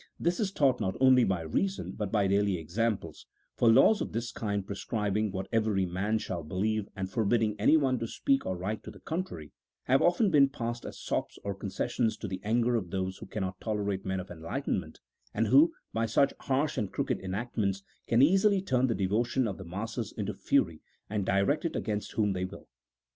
This is taught not only by reason but by daily examples, for laws of this kind pre scribing what every man shall believe and forbidding any one to speak or write to the contrary, have often been passed, as sops or concessions to the anger of those who cannot tolerate men of enlightenment, and who, by such harsh and crooked enactments, can easily turn the devotion of the masses into fury and direct it against whom they will.